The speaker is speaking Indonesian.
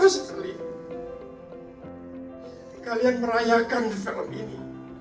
jadi ini saya bersyukur sekali kalian merayakan film ini